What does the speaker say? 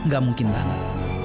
gak mungkin banget